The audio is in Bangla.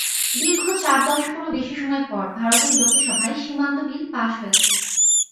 দীর্ঘ চার দশকেরও বেশি সময় পর ভারতের লোকসভায় সীমান্ত বিল পাস হয়েছে।